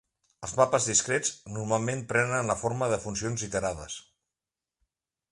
Els mapes discrets normalment prenen la forma de funcions iterades.